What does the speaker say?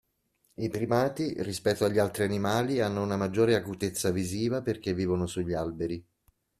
I primati rispetto agli altri animali hanno una maggiore acutezza visiva perché vivono sugli alberi.